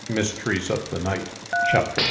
MYSTERIES OF THE NIGHT. CHAPTER I.